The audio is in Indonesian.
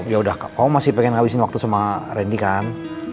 ya udah kau masih pengen ngabisin waktu sama randy kan